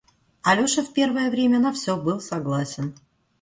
Алеша в первое время на всё был согласен.